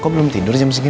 kok belum tidur jam segini